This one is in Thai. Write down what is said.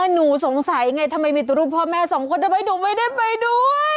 หนูสงสัยไงทำไมมีแต่รูปพ่อแม่สองคนทำไมหนูไม่ได้ไปด้วย